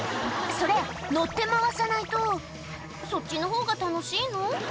それ乗って回さないとそっちのほうが楽しいの？